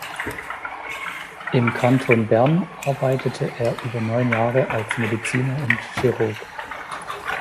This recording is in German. Im Kanton Bern arbeitete er über neun Jahre als Mediziner und Chirurg.